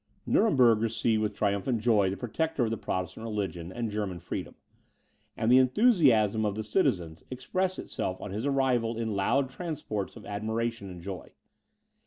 Nuremberg received with triumphant joy the protector of the Protestant religion and German freedom, and the enthusiasm of the citizens expressed itself on his arrival in loud transports of admiration and joy.